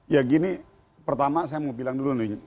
ya gini pertama saya mau bilang dulu nih